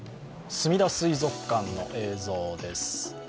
すみだ水族館の映像です。